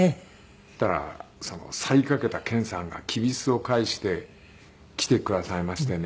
そしたら去りかけた健さんがきびすを返して来てくださいましてね。